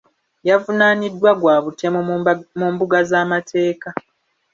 Yavunaaniddwa gwa butemu mu mbuga z'amateeka.